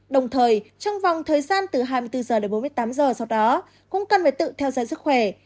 đồng thời trong vòng thời gian từ hai mươi bốn h đến bốn mươi tám h sau đó cũng cần phải tự theo dõi sức khỏe